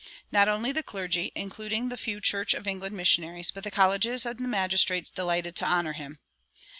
Not only the clergy, including the few Church of England missionaries, but the colleges and the magistrates delighted to honor him.